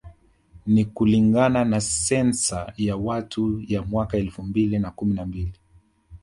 Ni kulingana na sensa ya watu ya mwaka elfu mbili na kumi na mbili